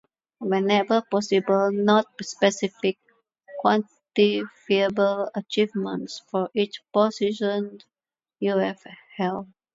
Whenever possible, note specific, quantifiable achievements for each position you’ve held.